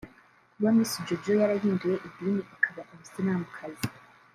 Kuba Miss Jojo yarahinduye idini akaba umusilamukazi